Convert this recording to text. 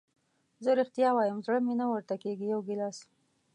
زه رښتیا وایم زړه مې نه ورته کېږي، یو ګیلاس.